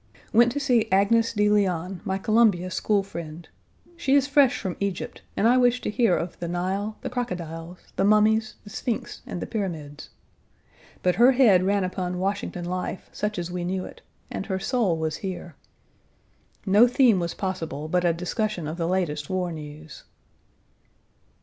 Went to see Agnes De Leon, my Columbia school friend. She is fresh from Egypt, and I wished to hear of the Nile, the crocodiles, the mummies, the Sphinx, and the Pyramids. But her head ran upon Washington life, such as we knew it, and her soul was here. No theme was possible but a discussion of the latest war news.